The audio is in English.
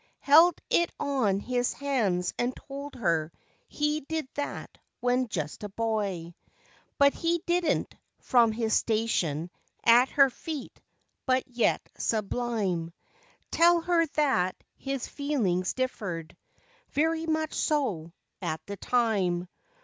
Held it on his hands and told her he did that when just a boy; But he didn't, from his station at her feet, but yet sub ^ lime, /v Tell her that his feel¬ ings differed—very much so—at the time.